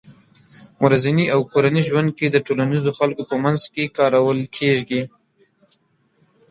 ورځني او کورني ژوند کې د ټولنيزو خلکو په منځ کې کارول کېږي